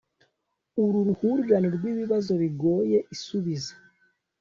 uru ruhurirane rw'ibibazo bigoye isubiza